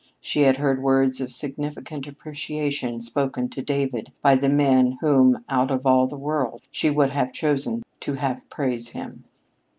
She had heard words of significant appreciation spoken to David by the men whom, out of all the world, she would have chosen to have praise him.